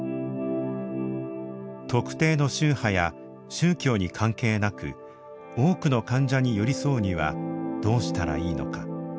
特定の宗派や宗教に関係なく多くの患者に寄り添うにはどうしたらいいのか。